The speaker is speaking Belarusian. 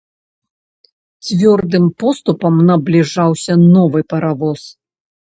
Цвёрдым поступам набліжаўся новы паравоз.